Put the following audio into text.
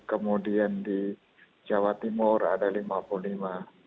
kemudian di jawa timur ada lima puluh lima